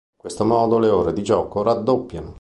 In questo modo le ore di gioco raddoppiano.